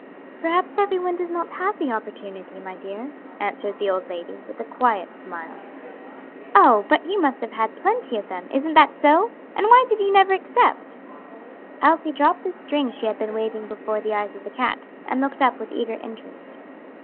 "Perhaps every one does not have the opportunity, my dear," answered the old lady, with a quiet smile. "Oh, but you must have had plenty of them. Isn't that so? and why did you never accept?" Elsie dropped the string she had been waving before the eyes of the cat, and looked up with eager interest.